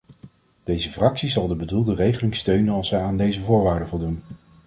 Deze fractie zal de bedoelde regelingen steunen als zij aan deze voorwaarden voldoen.